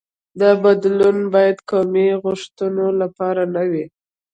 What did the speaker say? دا بدلون باید قومي غوښتنو لپاره نه وي.